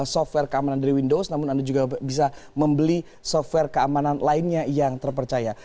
software keamanan dari windows namun anda juga bisa membeli software keamanan lainnya yang terpercaya